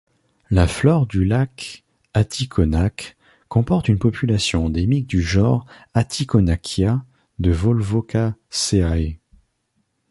La flore du lac Aticonac comporte une population endémique du genre Atikonakia de Volvocaceae.